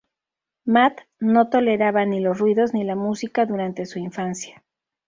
Matt no toleraba ni los ruidos ni la música durante su infancia.